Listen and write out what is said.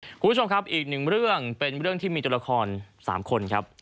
คุณผู้ชมครับอีกหนึ่งเรื่องเป็นเรื่องที่มีตัวละคร๓คนครับ